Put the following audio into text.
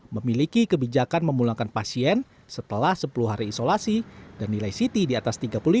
memiliki kebijakan memulangkan pasien setelah sepuluh hari isolasi dan nilai ct di atas tiga puluh lima